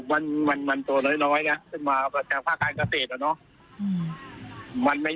มันไม่มีอะไรควาเวอร์ที่จะไปต่อร้องอะไรกันมาก